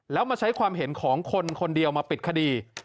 แล้วมาใช้ความเห็นของคนคนเดียวมาปิดคดี